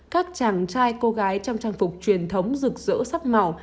các chàng trai cô gái trong trang phục truyền thống rực rỡ sắc màu